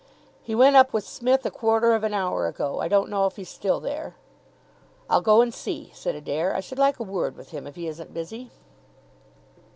"He went up with Smith a quarter of an hour ago. I don't know if he's still there." "I'll go and see," said Adair. "I should like a word with him if he isn't busy."